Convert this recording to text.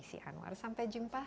desi anwar sampai jumpa